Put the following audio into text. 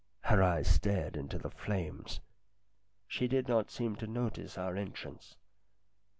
Her eyes stared into the flames. She did not seem to notice our entrance.